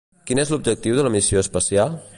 Quin és l'objectiu de la missió espacial?